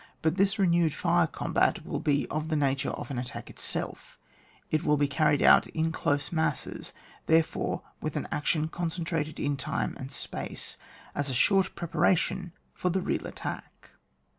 But tbis renewed fire combat will be of the nature of an attack itself, it will be carried out in close masses, therefore with an action concentrated in time and space, as a short preparation for the real attack.